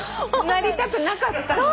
なりたくなかったんだ？